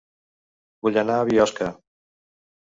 Vull anar a Biosca